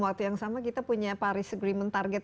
waktu yang sama kita punya paris agreement target